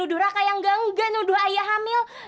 nuduh raka yang ganggan nuduh aya hamil